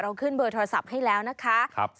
ขึ้นเบอร์โทรศัพท์ให้แล้วนะคะ